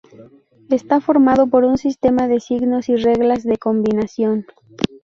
Está formado por un sistema de signos y reglas de combinación.